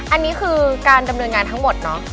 อันนี้คือการดำเนินงานทั้งหมดเนอะ